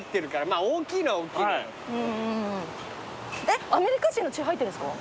えっアメリカ人の血入ってるんですか？